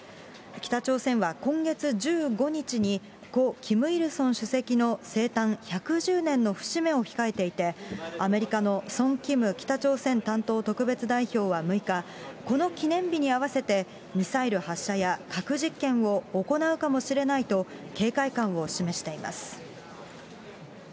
北朝鮮は今月１５日に、故・キム・イルソン主席の生誕１１０年の節目を控えていて、アメリカのソン・キム北朝鮮担当特別代表は６日、この記念日に合わせて、ミサイル発射や核実験を行うかもしれないと、警戒感を示しています。